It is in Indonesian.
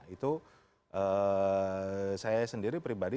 itu saya sendiri pribadi